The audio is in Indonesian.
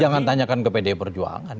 jangan tanyakan ke pdi perjuangan